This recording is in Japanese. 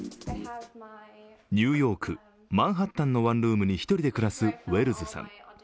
ニューヨーク・マンハッタンのワンルームに１人で暮らすウェルズさん。